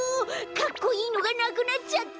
かっこいいのがなくなっちゃった。